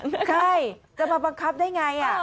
ใช่จะมาบังคับได้ไง